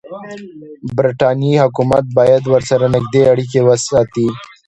برټانیې حکومت باید ورسره نږدې اړیکې وساتي.